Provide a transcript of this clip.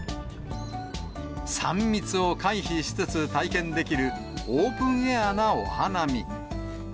３密を回避しつつ体験できる、オープンエアなお花見。